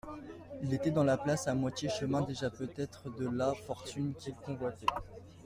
Il était dans la place, à moitié chemin déjà peut-être de la fortune qu'il convoitait.